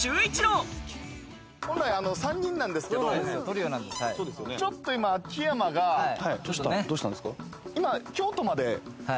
本来３人なんですけど、ちょっと今秋山が、今京都まで。